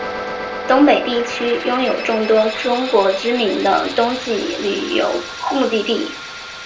东北地区拥有众多中国知名的冬季旅游目的地。